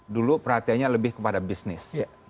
dulu perhatiannya lebih kepada bisnis